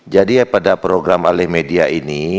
jadi ya pada program alih media ini